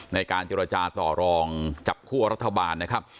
ในการเจรจาต่อรองจับคั่วรัฐบาลนะครับ